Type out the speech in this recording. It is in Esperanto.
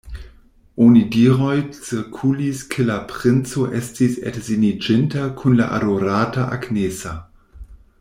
Onidiroj cirkulis ke la princo estis edziniĝinta kun la adorata Agnesa.